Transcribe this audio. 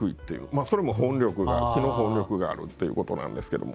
それも保温力が木の保温力があるっていうことなんですけども。